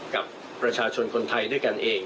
กับประชาชนคนไทยด้วยกันเอง